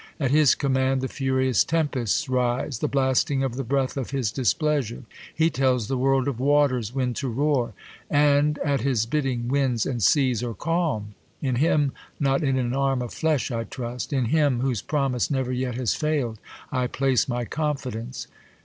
. At his command the furious tempests rise, The blasting of the breath of his. displeasure i '1 He tells the world of waters when to roar j An< THE COLUMBIAN ORATOR. 141 And at his bidding, winds and seas are calm. In Him, not in an arm of flesh I trust ; In Him, whose promise never yet has fail'd, I place my confidence.